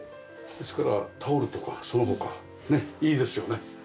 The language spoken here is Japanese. ですからタオルとかその他いいですよね。